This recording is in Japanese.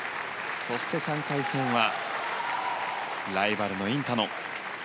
そして３回戦はライバルのインタノン。